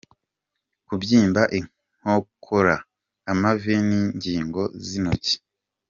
Kubyimba inkokora, amavi n’ingingo z’intoki.